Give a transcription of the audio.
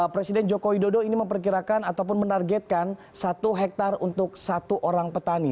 presiden joko widodo ini memperkirakan ataupun menargetkan satu hektare untuk satu orang petani